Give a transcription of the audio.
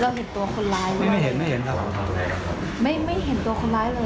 แล้วเห็นตัวคนร้ายเลยไม่เห็นครับ